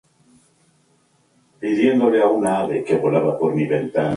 Su papel más memorable es el de "Mr.